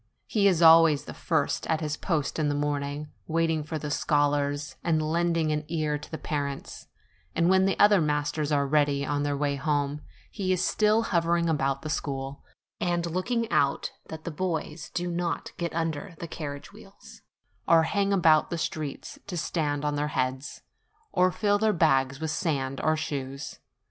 he is always the first at his post in the morning, waiting for the scholars and lending an ear to the parents; and when the other masters are already on their way home, he is still hovering about the school, and looking out that the boys do not get under the carriage wheels, or hang about the streets to stand on their heads, or fill their bags with sand or stones.